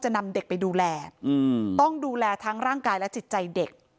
นำเด็กไปดูแลต้องดูแลทั้งร่างกายและจิตใจเด็ก